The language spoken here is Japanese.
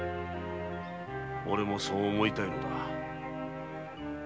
オレもそう思いたいのだ。